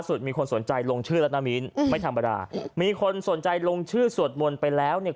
มีคนสนใจลงชื่อแล้วนะมิ้นไม่ธรรมดามีคนสนใจลงชื่อสวดมนต์ไปแล้วเนี่ย